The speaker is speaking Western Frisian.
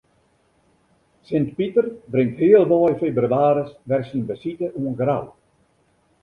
Sint Piter bringt healwei febrewaris wer syn besite oan Grou.